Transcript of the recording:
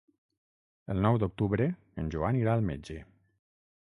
El nou d'octubre en Joan irà al metge.